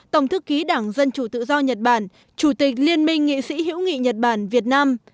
tổng thư ký đảng dân chủ tự do nhật bản chủ tịch liên minh nghị sĩ hữu nghị nhật bản việt nam